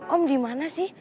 om dimana sih